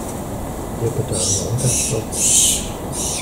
Hier bitte eine Unterschrift.